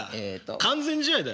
完全試合だよ。